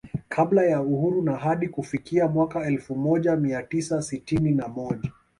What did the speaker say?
Kabla ya Uhuru na hadi kufikia mwaka elfu moja mia tisa sitini na moja